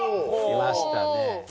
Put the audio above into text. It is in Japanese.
きましたね。